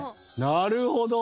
なるほど！